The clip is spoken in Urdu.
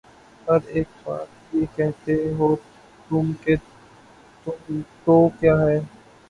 ہر ایک بات پہ کہتے ہو تم کہ تو کیا ہے